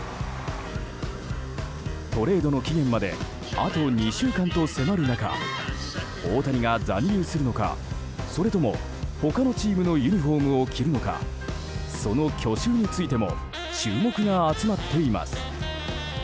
トレードの期限まであと２週間と迫る中大谷が残留するのかそれとも他のチームのユニホームを着るのかその去就についても注目が集まっています。